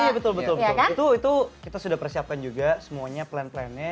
iya betul betul itu kita sudah persiapkan juga semuanya plan plannya